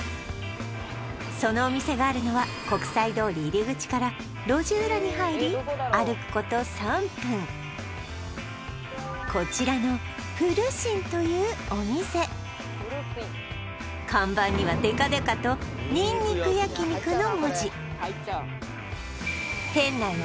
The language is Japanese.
そのお店があるのは国際通り入口から路地裏に入り歩くこと３分こちらのプルシンというお店看板にはデカデカとにんにく焼肉の文字